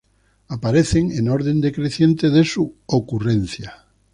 Aparecen en orden decreciente de su ocurrencia.